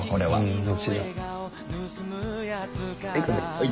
はい。